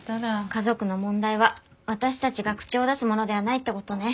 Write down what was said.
家族の問題は私たちが口を出すものではないって事ね。